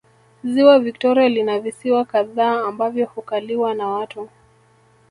Ziwa Victoria lina visiwa kadhaa ambavyo hukaliwa na watu